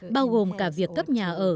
bao gồm cả việc cấp nhà ở